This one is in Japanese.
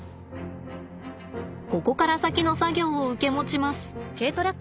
ここから先の作業を受け持ちます。